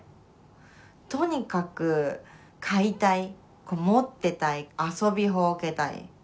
とにかく買いたい持ってたい遊びほうけたい。